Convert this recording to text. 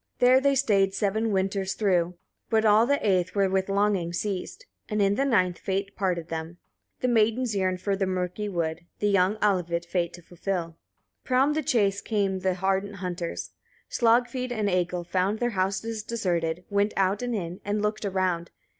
3. There they stayed seven winters through; but all the eighth were with longing seized; and in the ninth fate parted them. The maidens yearned for the murky wood, the young Alvit, fate to fulfil. 4. From the chase came the ardent hunters, Slagfid and Egil, found their house deserted, went out and in, and looked around.